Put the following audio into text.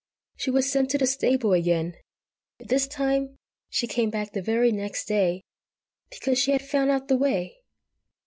She was sent to the stable again, but this time she came back the very next day, because she had found out the way.